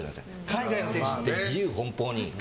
海外の選手は自由奔放に。